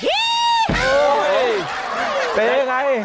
เฮ่ยเป็นอย่างไร